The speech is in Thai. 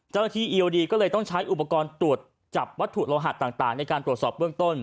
เอียวดีก็เลยต้องใช้อุปกรณ์ตรวจจับวัตถุโลหะต่างในการตรวจสอบเบื้องต้น